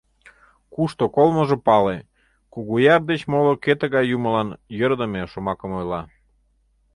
Кушто колмыжо пале: Кугуяр деч моло кӧ тыгай юмылан йӧрыдымӧ шомакым ойла?!.